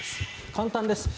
簡単です。